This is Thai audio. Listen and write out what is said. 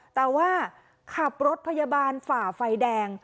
แต่ว่าขับรถพยาบาลฝ่าไฟแดง